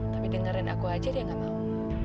tapi dengerin aku aja dia gak mau